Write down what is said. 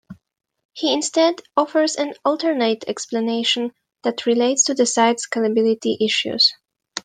He instead offers an alternate explanation that relates to site scalability issues.